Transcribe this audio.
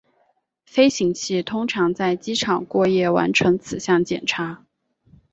飞行器通常在机场过夜完成此项检查。